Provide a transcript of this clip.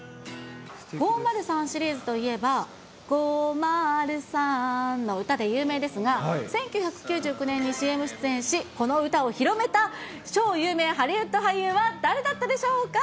５０３シリーズといえば、５０３の歌で有名ですが、１９９９年にＣＭ出演し、この歌を広めた超有名ハリウッド俳優は誰だったでしょうか。